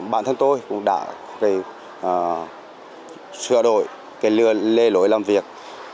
bản thân tôi cũng đã sửa đổi lệ lỗi làm việc